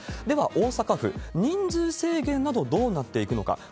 では大阪府、人数制限など、どうなっていくのか。